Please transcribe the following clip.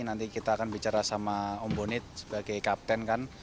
nanti kita akan bicara sama om bonit sebagai kapten kan